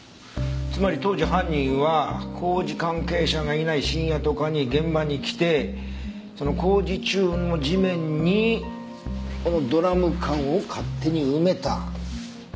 つまり当時犯人は工事関係者がいない深夜とかに現場に来てその工事中の地面にこのドラム缶を勝手に埋めた。